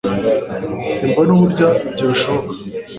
Simbona uburyo ibyo bishoboka